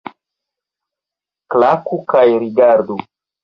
Klaku kaj rigardu!